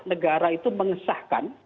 negara itu mengesahkan